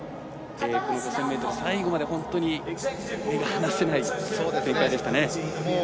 この５０００ｍ、最後まで本当に目が離せない展開でしたね。